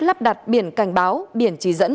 lắp đặt biển cảnh báo biển chỉ dẫn